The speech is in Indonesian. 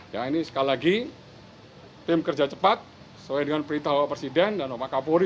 yang ini sekali lagi tim kerja cepat sesuai dengan perintah bapak presiden dan bapak kapolri